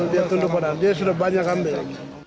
dia sudah banyak andai